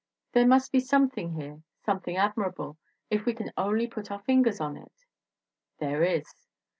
There must be something here, something admirable, if we can only put our fingers on it! There is.